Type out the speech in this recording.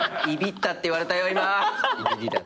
いびったって言われたよ今！